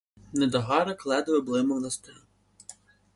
Недогарок ледве блимав на столі.